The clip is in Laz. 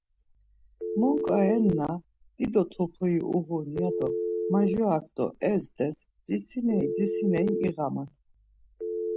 Monǩa renna dido topri uğun ya majurak do ezdez, t̆ritsineri t̆ritsineri iğaman.